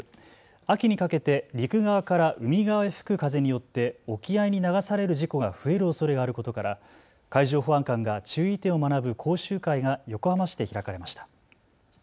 秋にかけて陸側から海側へ吹く風によって沖合に流される事故が増えるおそれがあることから海上保安官が注意点を学ぶ講習会が横浜市で開かれました。